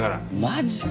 マジか。